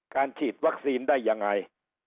ฉีดวัคซีนได้ยังไง